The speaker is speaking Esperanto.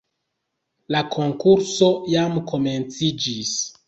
La konkurso jam komenciĝis